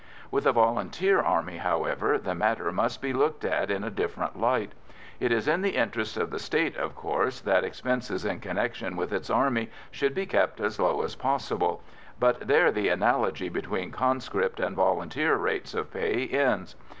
With a volunteer army, however, the matter must be looked at in a different light. It is in the interest of the State, of course, that expenses in connection with its army should be kept as low as possible, but there the analogy between conscript and volunteer rates of pay ends.